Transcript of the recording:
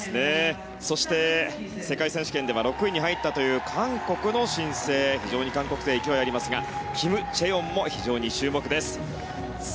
そして、世界選手権では６位に入ったという韓国の新星非常に韓国勢、勢いがありますがキム・チェヨンも非常に注目です。